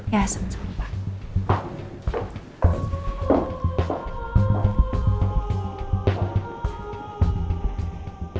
ya sama sama pak